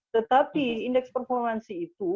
tetapi indeks performansi itu